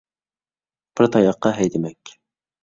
بىر تاياقتا ھەيدىمەك.